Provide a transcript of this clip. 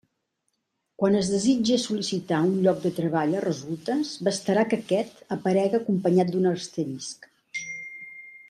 Quan es desitge sol·licitar un lloc de treball a resultes, bastarà que aquest aparega acompanyat d'un asterisc.